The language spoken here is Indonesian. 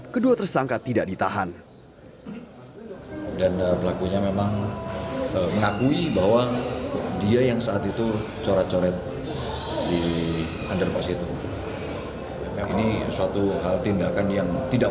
kedua tersangka tidak ditahan